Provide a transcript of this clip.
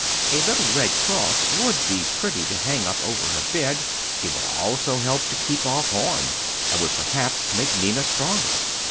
A little red cross would be pretty to hang up over her bed; it would also help to keep off harm, and would perhaps make Ninna stronger.